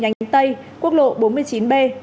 nhánh tây quốc lộ bốn mươi chín b